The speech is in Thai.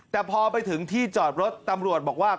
แต่พอไปถึงที่จอดรถตำรวจบอกว่า